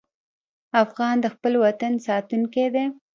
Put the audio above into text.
افغان د خپل وطن ساتونکی دی.